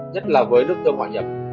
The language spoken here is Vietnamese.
nhất là với nước tương ngoại nhật